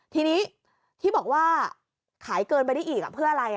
ทีนี้ที่บอกว่าขายเกินไปได้อีกเพื่ออะไร